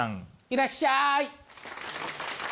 いらっしゃい！